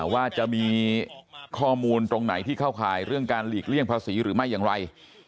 ว่าจะมีข้อมูลตรงไหนที่เข้าข่ายเรื่องการหลีกเลี่ยงภาษีหรือไม่อย่างไร